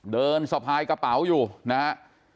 เดินสะพายกระเป๋าอยู่นะฮะ